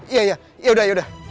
iya ya yaudah yaudah